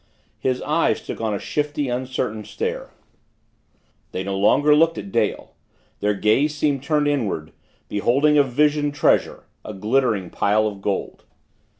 His eyes took on a shifty, uncertain stare they no longer looked at Dale their gaze seemed turned inward, beholding a visioned treasure, a glittering pile of gold.